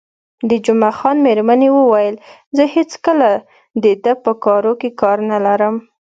د جمعه خان میرمنې وویل: زه هېڅکله د ده په کارو کار نه لرم.